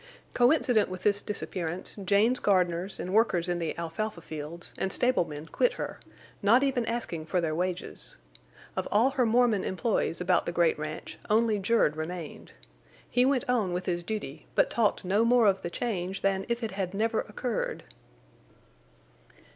Coincident with this disappearance Jane's gardeners and workers in the alfalfa fields and stable men quit her, not even asking for their wages. Of all her Mormon employees about the great ranch only Jerd remained. He went on with his duty, but talked no more of the change than if it had never occurred.